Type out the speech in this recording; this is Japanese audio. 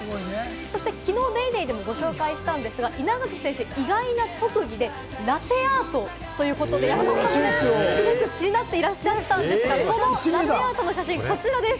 そして、きのう『ＤａｙＤａｙ．』でもご紹介したんですが稲垣選手、意外な特技でラテアートということで、すごく気になっていたんですがそのラテアートの写真こちらです。